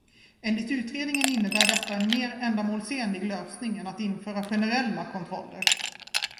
Enligt utredningen innebär detta en mer ändamålsenlig lösning än att införa generella kontroller.